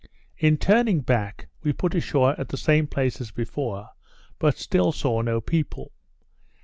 In turning back we put ashore at the same place as before; but still saw no people.